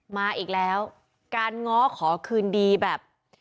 มาอีกแล้วการง้อขอคืนดีแบบ